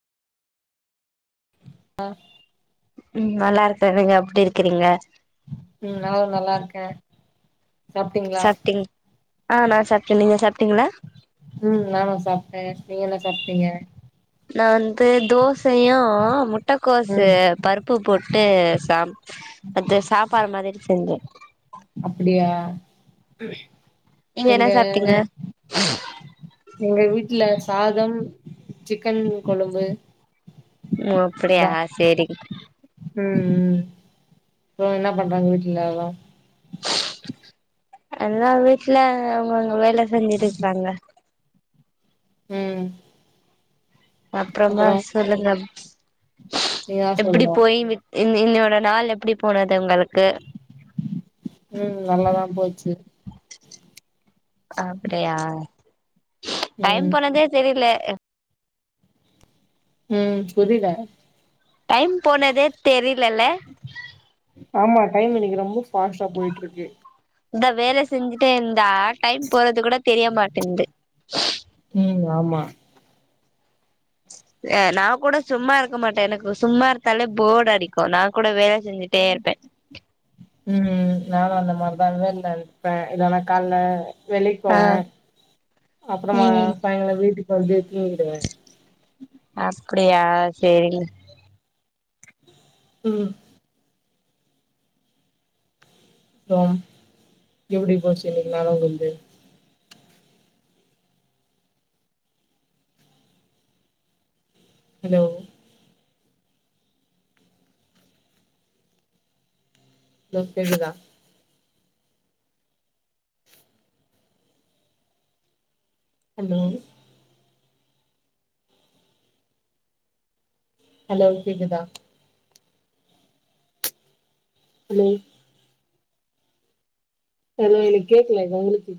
ஆ ம் நல்லா இருக்கே நீங்க எப்டி இருக்கிறீங்க ம் நானு நல்லாருக்கே சாப்ட்டீங்க ஆ நா சாப்ட்டே நீங்க சாப்ட்டீங்கள ம் நானு சாப்ட்டே நீங்க என்ன சாப்ட்டீங்க நா வந்து தோசயு முட்டக்கோசு ம் பருப் பு போட்டு சாப் அது சாப்பாடு மாரி செஞ்ச அப்டியா நீங்க எங்க என்ன சாப்ட்டீங்க எங்க வீட்டுல சாதம் சிக்கன் கொழம்பு ஒ அப்டியா அதா செரி ம் ம் அப்றோ என்ன பண்றாங்க வீட்டுலெலா எல்லா வீட்ல அவ்ங்கவ்ங்க வேல செஞ்சுட்ருக்காங்க ம் அப்றமா அப்றோ சொல்லுங்க நீங்கதா எப்டி சொல்ணு போய் விட் இன் இன்னியோட நாள் எப்டி போனது உங்களுக்கு ம் நல்லாதா போச்சு அப்டியா ம் டைம் போனதே தெரிலே ம் புரில டைம் போனதே தெரிலல ஆமா டைம் இன்னைக்கி ரொம்ப ஸ் இந்த வேல செஞ்சுட்டே இருந்தா டைம் போறது கூட தெரிய மாட்டிங்து ம் ஆமா அ நா கூட சும்மா இருக்க மாட்டே எனக்கு சும்மா இருந்தாலே போர் அடிக்கு நா கூட வேல செஞ்சுட்டே இருப்பே ம் நானு அந்த மரிதா வேல்ல இருப்பே இல்லனா கால்ல வெளிக்கு ஆ போவே அப்றமா ம் சாயங்காலோ வீட்டுக்கு வந்து தூங்கிடுவே அப்டியா செரிங்க ம் அப்றோம் எப்டி போச்சு இன்னிக்கி நாளு வந்து ஹலோ லோ கேக்குதா ஹலோ ஹலோ லோ கேக்குதா ஹலோ ஹலோ எனக்கு கேக்கலங்க உங்களுக்கு